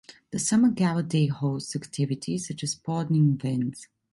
The summer Gala Day hosts activities such as sporting events.